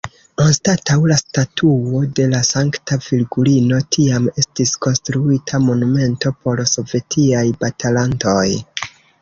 Anstataŭ la statuo de la sankta Virgulino tiam estis konstruita monumento por sovetiaj batalantoj.